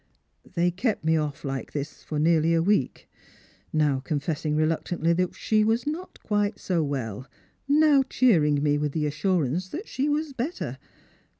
" They kept me off like this for nearly a week ; now confessing reluctantly that she was not quite 60 well ; now cheering me with the assurance that she was better.